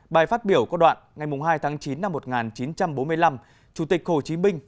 bài phát biểu có đoạn ngày hai tháng chín năm một nghìn chín trăm bốn mươi năm chủ tịch hồ chí minh